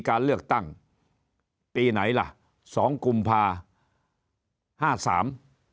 การเลือกตั้งปีไหนล่ะ๒กุมภาคม๕๓